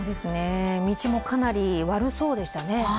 道もかなり悪そうでしたね。